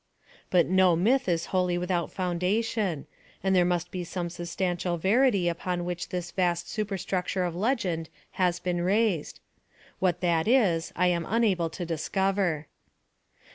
But no myth is wholly without foundation, and there must be some substantial verity upon which this vast superstructure of legend has been raised. What that is I am unable to discover.